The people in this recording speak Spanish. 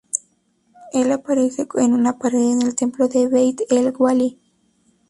Él aparece en una pared en el templo de Beit el-Wali.